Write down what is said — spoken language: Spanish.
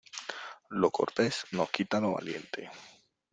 Lo cortés no quita lo valiente.